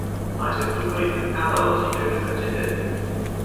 Acest lucru este scandalos și trebuie să înceteze.